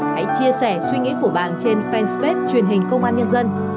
hãy chia sẻ suy nghĩ của bạn trên fanpage truyền hình công an nhân dân